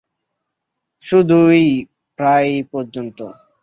শুধুই প্রায় পর্যন্ত?